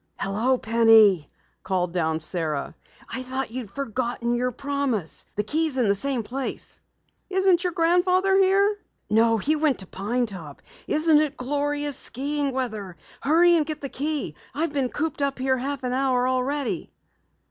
"Hello, Penny," called down Sara. "I thought you had forgotten your promise. The key's in the same place." "Isn't your grandfather here?" "No, he went down to Pine Top. Isn't it glorious skiing weather? Hurry and get the key. I've been cooped up here half an hour already."